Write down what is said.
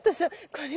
これ？